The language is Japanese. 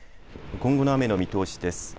今後の雨の見通しです。